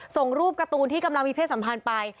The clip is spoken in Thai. ส่งรูปการ์ตูนที่กำลังมีเพศสัมพันธ์ไป